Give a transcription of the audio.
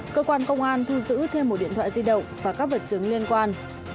cơ quan công an thu giữ thêm một điện thoại di động và các vật chứng liên quan